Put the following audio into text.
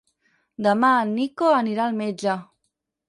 Demà en Nico anirà al metge.